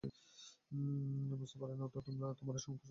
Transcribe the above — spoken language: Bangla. বুঝতে পার না, তোমারই সংকোচ আমাকে সংকুচিত করে।